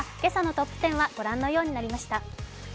トップ１０はご覧のようになりました。